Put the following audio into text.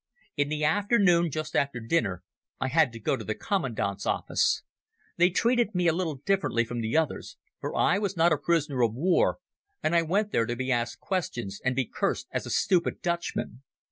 In the afternoon, just after dinner, I had to go to the commandant's room. They treated me a little differently from the others, for I was not a prisoner of war, and I went there to be asked questions and to be cursed as a stupid Dutchman.